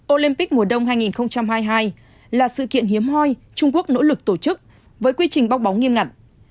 olympic mùa đông hai nghìn hai mươi hai là sự kiện hiếm hoi trung quốc nỗ lực tổ chức với quy trình bóc bóng nghiêm ngặt